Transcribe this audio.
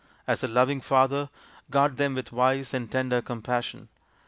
As a loving father guard them with wise and tender compassion.